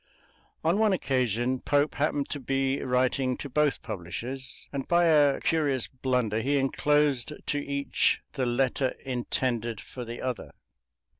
On one occasion Pope happened to be writing to both publishers, and by a curious blunder he inclosed to each the letter intended for the other.